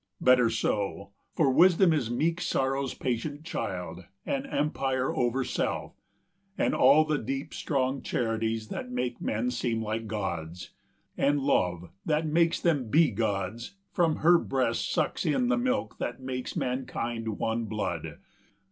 Better so: For wisdom is meek sorrow's patient child, And empire over self, and all the deep Strong charities that make men seem like gods; And love, that makes them be gods, from her breasts 350 Sucks in the milk that makes mankind one blood.